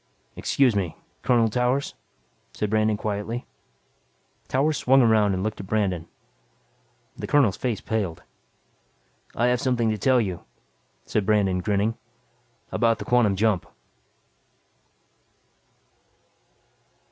"Excuse me, Colonel Towers," said Brandon quietly. Towers swung around and looked out at Brandon. The colonel's face paled. "I have something to tell you," said Brandon grinning, "about the quantum jump."